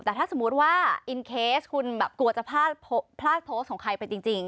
แต่ถ้าสมมุติว่าอินเคสคุณแบบกลัวจะพลาดโพสต์ของใครไปจริง